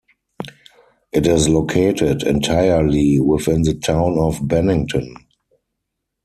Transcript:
It is located entirely within the town of Bennington.